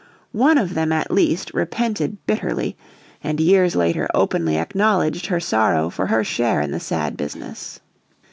One of them at least repented bitterly, and years later openly acknowledged her sorrow for her share in the sad business.